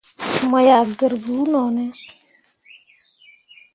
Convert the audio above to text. Mo yah gǝr vuu no ne ?